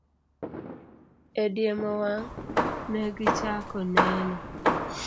E diemo wang', ne gichako neno!